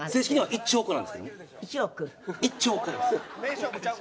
１兆個です。